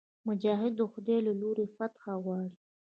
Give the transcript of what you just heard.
مجاهد د خدای له لورې فتحه غواړي.